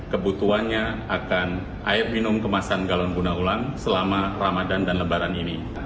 kebutuhannya akan air minum kemasan galon guna ulang selama ramadan dan lebaran ini